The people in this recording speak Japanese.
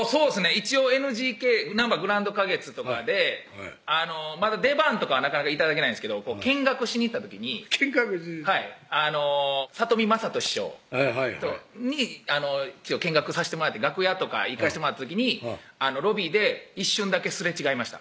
一応なんばグランド花月とかでまだ出番とかはなかなか頂けないんですけど見学しに行った時に見学しに行って里見まさと師匠に見学さしてもらって楽屋とか行かしてもらった時にロビーで一瞬だけすれ違いました